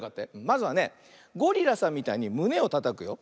まずはねゴリラさんみたいにむねをたたくよ。